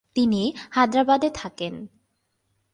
তিনি হায়দ্রাবাদে থাকেন।